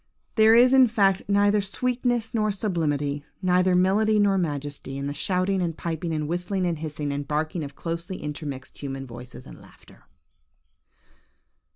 "There is, in fact, 'neither sweetness nor sublimity, neither melody nor majesty, in the shouting, and piping, and whistling, and hissing, and barking of closely intermixed human voices and laughter.'"